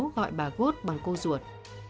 gọi bà gốt bằng cô ruột